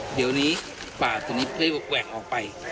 เดี๋ยวนี้ป่าตัวนี้ได้แหว่งออกไป